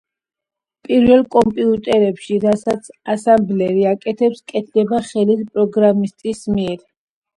პირველ კომპიუტერებში, რასაც ასემბლერი აკეთებს, კეთდებოდა ხელით პროგრამისტის მიერ.